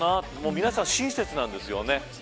皆さん、親切なんですよ。